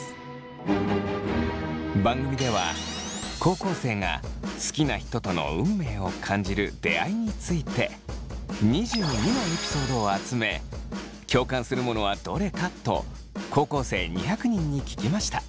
番組では高校生が好きな人との運命を感じる出会いについて２２のエピソードを集め共感するものはどれかと高校生２００人に聞きました。